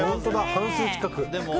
半数近く。